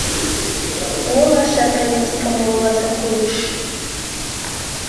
uwo bashakanye kikamubabaza kurusha